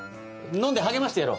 飲んで励ましてやろう。